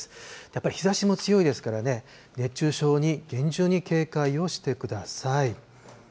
やっぱり日ざしも強いですからね、熱中症に厳重に警戒をしてください。